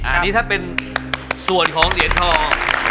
อันนี้ถ้าเป็นส่วนของเหรียญทอง